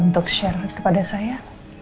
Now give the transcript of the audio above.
untuk share kepada saya